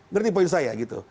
ngerti poin saya